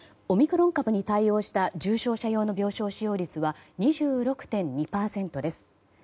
オミクロン株に対応した重症者用の病床使用率は２６．２％です。